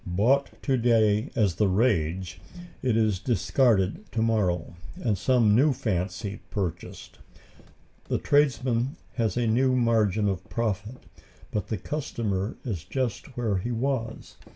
Bought to day as the rage, it is discarded to morrow, and some new fancy purchased. The tradesman has a new margin of profit, but the customer is just where he was.